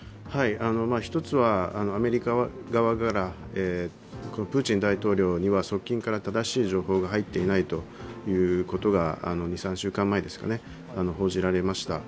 一つは、アメリカ側からプーチン大統領には側近から正しい情報が入っていないということが２３週間前、報じられました。